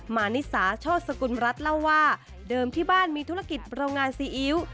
มานิสาโชสกุลรัฐเล่าว่าเดิมที่บ้านมีธุรกิจโรงงานซีอิ๊ว